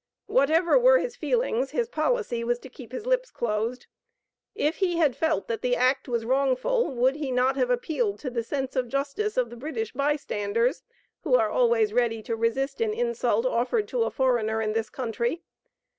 Whatever were his feelings, his policy was to keep his lips closed. If he had felt that the act was wrongful, would he not have appealed to the sense of justice of the British bystanders, who are always ready to resist an insult offered to a foreigner in this country?